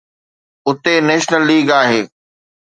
اتي national league آهي.